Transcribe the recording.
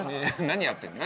何やってんの？